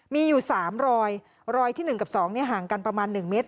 มีอยู่๓รอยรอยที่๑กับ๒ห่างกันประมาณ๑เมตร